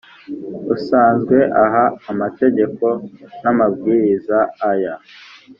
usanzwe aha amategeko n amabwiriza aya